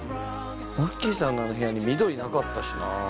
ワッキーさんのあの部屋に緑なかったしな。